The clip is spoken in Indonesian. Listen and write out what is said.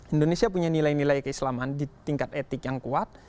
indonesia punya nilai nilai keislaman di tingkat etik yang kuat